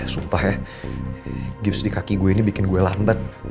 sumpah ya gips di kaki gue ini bikin gue lambat